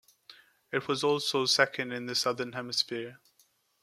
It was also second in the Southern Hemisphere.